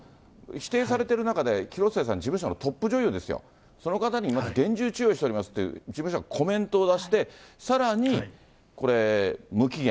否定されてる中で、広末さん、事務所のトップ女優ですよ、その方にまず厳重注意をしておりますと事務所がコメントを出して、さらにこれ、無期限。